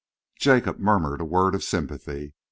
Jacob murmured a word of sympathy.